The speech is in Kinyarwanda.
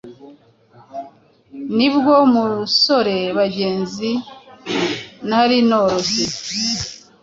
n'ubwo mu basore bagenzi ntari noroshye